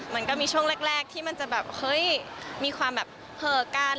มันก็มีช่วงแรกที่มันจะแบบเฮ้ยมีความแบบเหอะกัน